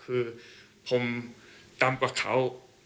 คือผมตามกลับเขา